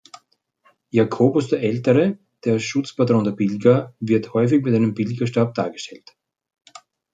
Jakobus der Ältere, der Schutzpatron der Pilger, wird häufig mit einem Pilgerstab dargestellt.